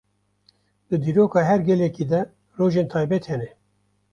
Di dîroka her gelekî de rojên taybet hene.